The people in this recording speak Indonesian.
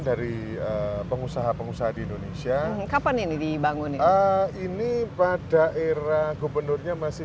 dari pengusaha pengusaha di indonesia kapan ini dibangun ini pada era gubernurnya masih